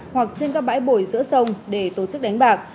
hoặc trên các bãi bồi giữa sông để tổ chức đánh bạc